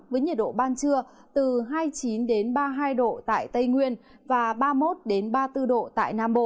với nhiệt độ ban trưa từ hai mươi chín ba mươi hai độ tại tây nguyên và ba mươi một ba mươi bốn độ tại nam bộ